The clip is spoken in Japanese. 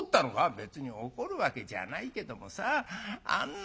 「別に怒るわけじゃないけどもさあんな